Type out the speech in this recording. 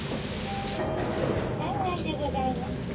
「３階でございます」